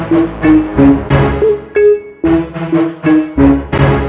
saat mau tanya